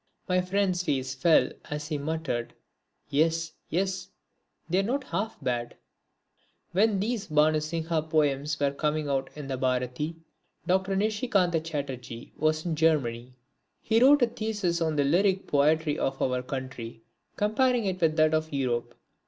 My friend's face fell as he muttered, "Yes, yes, they're not half bad." When these Bhanu Singha poems were coming out in the Bharati, Dr. Nishikanta Chatterjee was in Germany. He wrote a thesis on the lyric poetry of our country comparing it with that of Europe.